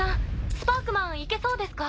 スパークマンいけそうですか？